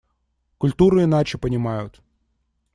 Культуру иначе понимают.